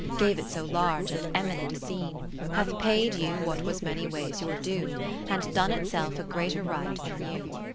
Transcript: Gave it so large and eminent a scene. Hath paid you what was many ways your due. And done itself a greater right than ^ you.